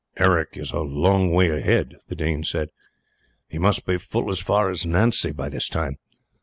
"Eric is a long way ahead," the Dane said; "he must be full as far as Nancy by this time.